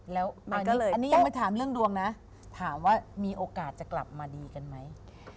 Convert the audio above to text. แล้วมันก็เลยอันนี้ยังไม่ถามเรื่องดวงนะถามว่ามีโอกาสจะกลับมาดีกันไหม